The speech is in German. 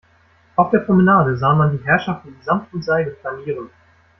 Auf der Promenade sah man die Herrschaften in Samt und Seide flanieren.